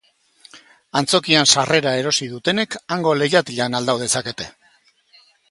Antzokian sarrera erosi dutenek hango lehiatilan aldau dezakete.